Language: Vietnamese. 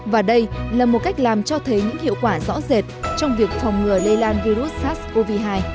và đây là một cách làm cho thấy những hiệu quả rõ rệt trong việc phòng ngừa lây lan virus sars cov hai